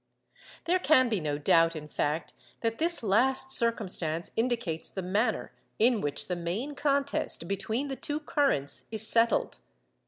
There can be no doubt, in fact, that this last circumstance indicates the manner in which the main contest between the two currents is settled.